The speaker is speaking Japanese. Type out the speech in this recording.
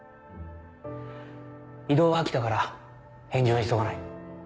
異動は秋だから返事は急がない。